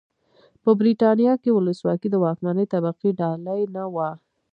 په برېټانیا کې ولسواکي د واکمنې طبقې ډالۍ نه وه.